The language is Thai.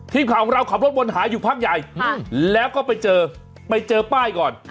ทีมข่าวของเราขับรถวนหาอยู่พักใหญ่แล้วก็ไปเจอไปเจอป้ายก่อน